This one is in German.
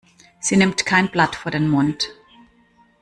Sie nimmt kein Blatt vor den Mund.